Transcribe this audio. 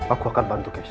aku akan bantu keisha